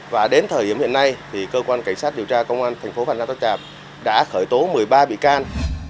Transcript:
và đến thời điểm hiện nay cơ quan cảnh sát điều tra công an thành phố phan rang tháp tràm đã khởi tố một mươi ba bị can